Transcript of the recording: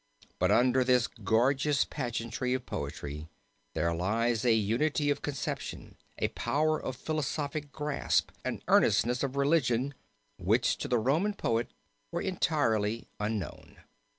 But under this gorgeous pageantry of poetry there lies a unity of conception, a power of philosophic grasp, an earnestness of religion, which to the Roman poet were entirely unknown."